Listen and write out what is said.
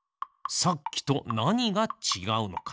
さっきとなにがちがうのか。